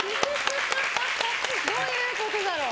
どういうことだろう？